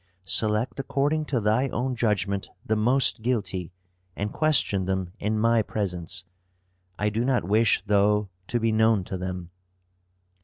"Select according to thy own judgment the most guilty, and question them in my presence. I do not wish, though, to be known to them."